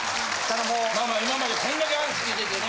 まあ今までこんだけ話聞いててね。